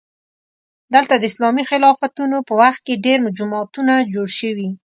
دلته د اسلامي خلافتونو په وخت کې ډېر جوماتونه جوړ شوي.